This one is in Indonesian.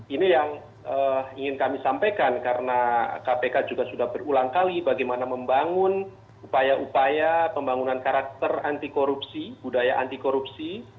ini yang ingin kami sampaikan karena kpk juga sudah berulang kali bagaimana membangun upaya upaya pembangunan karakter anti korupsi budaya anti korupsi